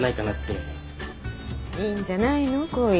いいんじゃないの恋。